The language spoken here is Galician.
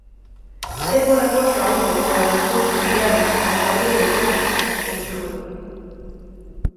"É pola túa saúde, pola dos teus familiares, pola saúde de todos", conclúe.